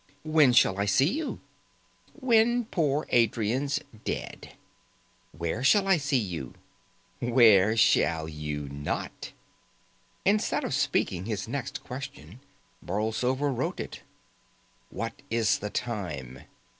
"When shall I see you?" "When poor old Adrian's dead." "Where shall I see you?" "Where shall you not?" Instead of speaking his next question, Borlsover wrote it. "What is the time?"